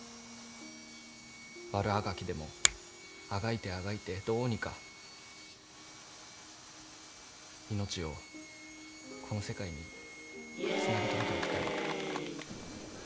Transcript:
悪あがきでもあがいてあがいてどうにか命をこの世界につなぎ留めておきたい。